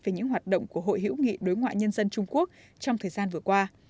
về những hoạt động của hội hữu nghị đối ngoại nhân dân trung quốc trong thời gian vừa qua